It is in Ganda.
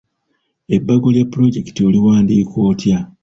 Ebbago lya pulojekiti oliwandiika otya?